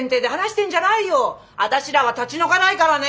私らは立ち退かないからね！